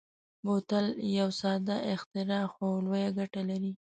بوتل یو ساده اختراع خو لویه ګټه لري.